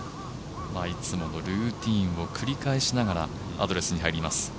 いつものルーティンを繰り返しながらアドレスに入ります。